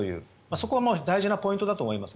そこが大事なポイントだと思います。